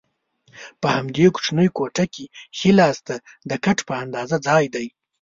په همدې کوچنۍ کوټه کې ښي لاسته د کټ په اندازه ځای دی.